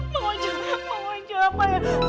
bang ojo bang ojo apa ya